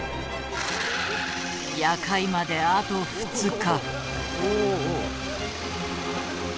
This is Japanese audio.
夜会まであと２日。